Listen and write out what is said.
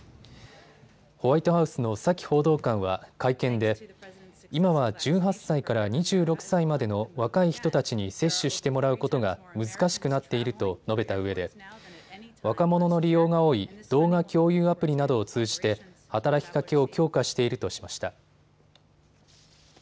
ホワイトハウスのサキ報道官は会見で今は１８歳から２６歳までの若い人たちに接種してもらうことが難しくなっていると述べたうえで若者の利用が多い動画共有アプリなどを通じて働きかけを強化しているとしました。